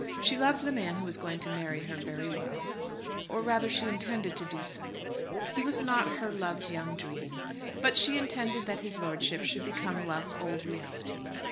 She loved the man who was going to marry her very well, or rather, she intended to do so. He was not to her "Love's young dream." But she intended that his lordship should become love's old reality.